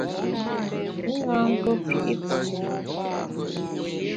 I na ntuo pi’ kwet njap.